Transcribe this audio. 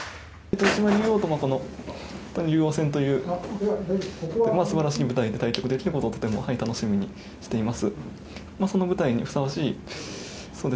豊島竜王との竜王戦というすばらしい舞台の対局できることをとても楽しみにしています。